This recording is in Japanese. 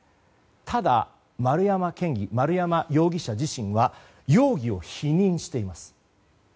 ただ、丸山容疑者自身は容疑を否認しています。